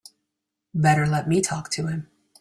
Better let me talk to him.